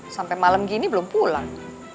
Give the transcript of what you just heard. sampai malam gini belum pulang